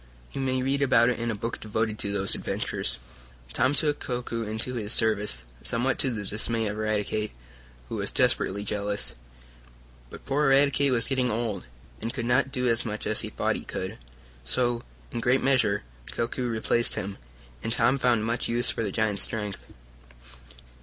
You may read about it in a book devoted to those adventures. Tom took Koku into his service, somewhat to the dismay of Eradicate, who was desperately jealous. But poor Eradicate was getting old, and could not do as much as he thought he could. So, in a great measure, Koku replaced him, and Tom found much use for the giant's strength.